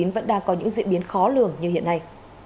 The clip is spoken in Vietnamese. vẫn đang có những diễn biến khó lường như hiện nay